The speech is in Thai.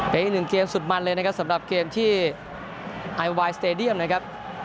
เป็นอีกหนึ่งเกมสุดมันเลยนะครับสำหรับเกมที่ไอวายสเตดียมนะครับ